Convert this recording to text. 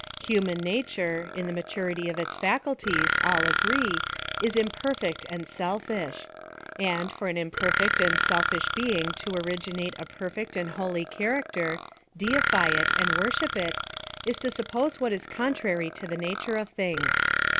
Human nature, in the ma turity of its faculties, all agree, is imperfect and self ish ; and, for an imperfect and selfish being to ori ginate a perfect and holy character, deify it, and worship it, is to suppose what is contrary to the nature of things.